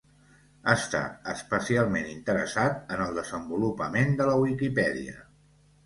Està especialment interessat en el desenvolupament de la Wikipedia.